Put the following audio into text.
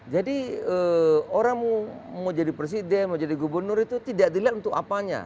jadi orang mau jadi presiden mau jadi gubernur itu tidak dilihat untuk apanya